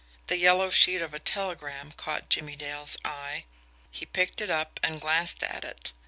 The yellow sheet of a telegram caught Jimmie Dale's eye. He picked it up and glanced at it.